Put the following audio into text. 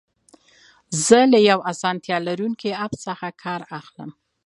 زه له یو اسانتیا لرونکي اپ څخه کار اخلم.